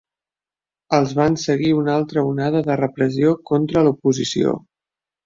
Els van seguir una altra onada de repressió contra l'oposició.